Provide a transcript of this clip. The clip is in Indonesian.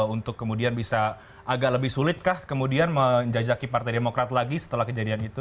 untuk kemudian bisa agak lebih sulitkah kemudian menjajaki partai demokrat lagi setelah kejadian itu